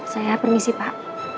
saya permisi pak